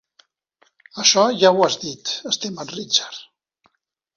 Això ja ho has dit, estimat Richard.